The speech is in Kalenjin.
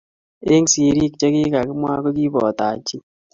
eng serii che kikimwa ko kiboto Haji